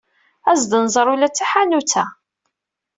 As-d ad nẓer ula d taḥanut-a.